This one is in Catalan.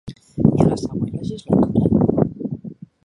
I a la següent legislatura?